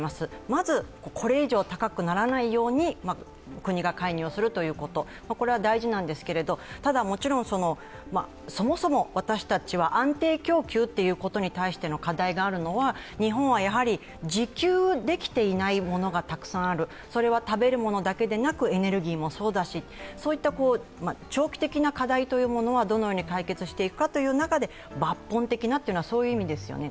まずこれ以上、高くならないように国が介入するということ、これは大事なんですけれども、ただもちろん、そもそも私たちは安定供給ということに対しての課題があるのは日本は自給できていないものがたくさんある、それは食べるものだけでなく、エネルギーもそうだし、そういった長期的な課題というものはどのように解決していくかという中で抜本的なというのは、そういう意味ですよね。